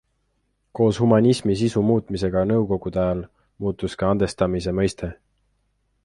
Koos humanismi sisu muutumisega nõukogude ajal muutus ka andestamise mõiste.